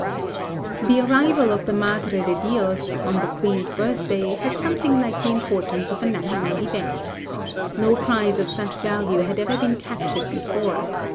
The arrival of the 'Madre de Dios' on the Queen's birthday had something like the importance of a national event. No prize of such value had ever been captured before.